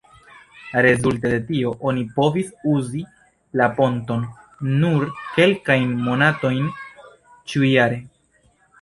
Rezulte de tio, oni povis uzi la ponton nur kelkajn monatojn ĉiujare.